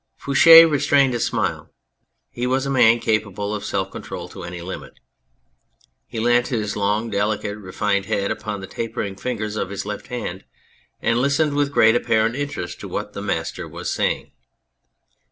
Fouche restrained his smile ; he was a man capable of self control to any limit. He leant his long, delicate, refined head upon the tapering fingers of his left hand, and listened with great apparent interest to what the Master was saying.